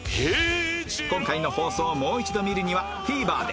今回の放送をもう一度見るには ＴＶｅｒ で